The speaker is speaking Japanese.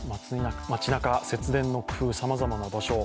街なか、節電の工夫、さまざまな場所。